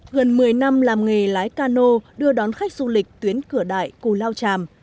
gần một mươi năm làm nghề lái cano đưa đón khách du lịch tuyến cửa đại cù lao tràm